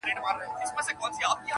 « که مي څوک په فقیری شمېري فقیر سم٫